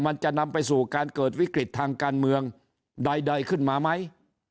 มันจะนำไปสู่การเกิดวิกฤตทางการเมืองใดขึ้นมาไหม